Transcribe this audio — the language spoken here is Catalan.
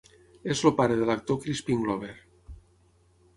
És el pare de l'actor Crispin Glover.